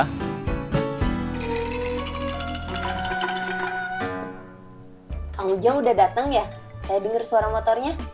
kang ujang udah dateng ya saya denger suara motornya